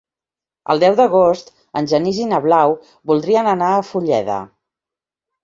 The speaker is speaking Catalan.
El deu d'agost en Genís i na Blau voldrien anar a Fulleda.